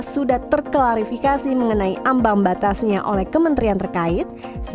sembilan ratus sembilan belas sudah terklarifikasi mengenai ambang batasnya oleh kementerian terkait